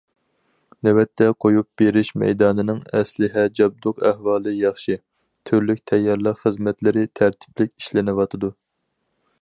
نۆۋەتتە قويۇپ بېرىش مەيدانىنىڭ ئەسلىھە جابدۇق ئەھۋالى ياخشى، تۈرلۈك تەييارلىق خىزمەتلىرى تەرتىپلىك ئىشلىنىۋاتىدۇ.